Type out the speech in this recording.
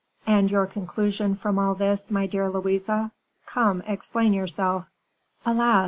"And your conclusion from all this, my dear Louise, come, explain yourself." "Alas!